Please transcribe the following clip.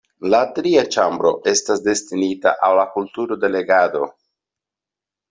La tria ĉambro estas destinita al la kulturo de legado.